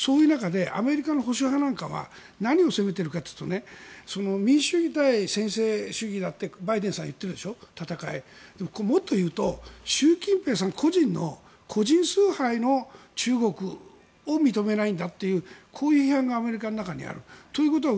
そういう中でアメリカの保守派は何を攻めているかというと民主主義対専制主義だとバイデンさんは言っているけどもっというと習近平さん個人の個人崇拝の中国を認めないんだというこういう批判がアメリカの中にある。